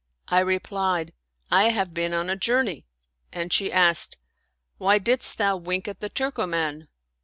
I replied, " I have been on a journey "; and she asked, " Why didst thou wink at the Turkoman?